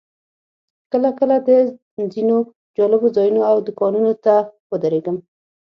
کله کله ځینو جالبو ځایونو او دوکانونو ته ودرېږم.